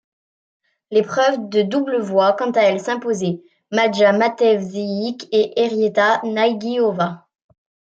L'épreuve de double voit quant à elle s'imposer Maja Matevžič et Henrieta Nagyová.